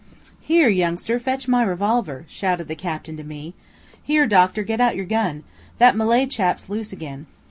"Here, youngster, fetch my revolver," shouted the captain to me. "Here, doctor, get out your gun, that Malay chap's loose again."